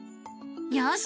よし！